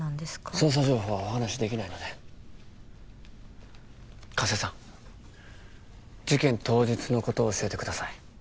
捜査情報はお話しできないので加瀬さん事件当日のことを教えてください